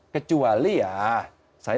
kecuali ya saya